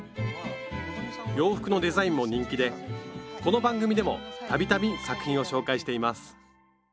洋服のデザインも人気でこの番組でも度々作品を紹介しています